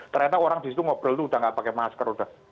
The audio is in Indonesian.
ternyata orang di situ ngobrol itu udah nggak pakai masker udah